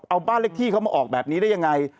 เอาบ้านเลขที่เขามาออกแบบนี้ได้ยังไง